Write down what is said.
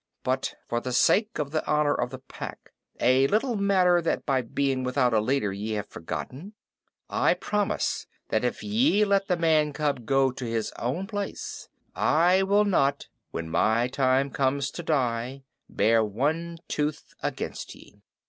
But for the sake of the Honor of the Pack, a little matter that by being without a leader ye have forgotten, I promise that if ye let the man cub go to his own place, I will not, when my time comes to die, bare one tooth against ye.